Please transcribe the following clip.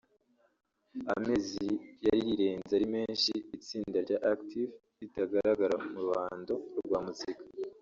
Amezi yari yirenze ari menshi itsinda rya Active ritagaragara mu ruhando rwa muzika